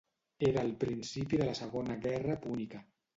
Era el principi de la segona guerra Púnica.